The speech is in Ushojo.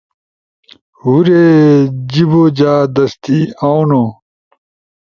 ہُورو جیِبو جا دستی اونو